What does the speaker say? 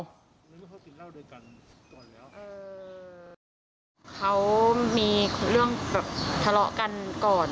พวกเขามีเรื่องทะเลาะกันก่อน